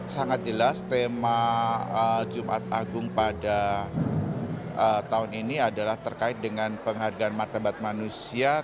sangat jelas tema jumat agung pada tahun ini adalah terkait dengan penghargaan martabat manusia